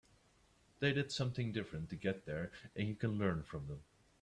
They did something different to get there and you can learn from them.